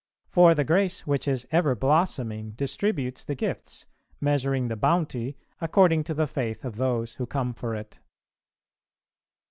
For the grace which is ever blossoming distributes the gifts, measuring the bounty according to the faith of those who come for it.